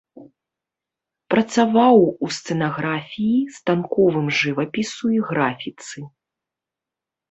Працаваў у сцэнаграфіі, станковым жывапісу і графіцы.